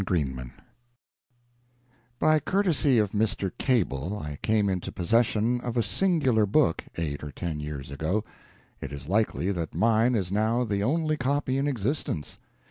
A CURE FOR THE BLUES By courtesy of Mr. Cable I came into possession of a singular book eight or ten years ago. It is likely that mine is now the only copy in existence.